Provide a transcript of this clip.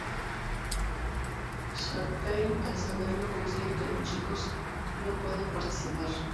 Sharpay al saberlo consigue que los chicos no puedan participar.